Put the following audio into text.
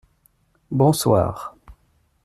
Bonsoir !